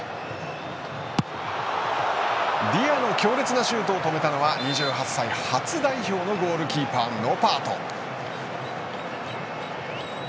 ディアの強烈なシュートを止めたのは２８歳、初代表のゴールキーパーノパート。